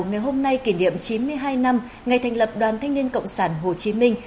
ngày hôm nay kỷ niệm chín mươi hai năm ngày thành lập đoàn thanh niên cộng sản hồ chí minh